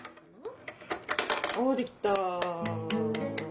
おできた。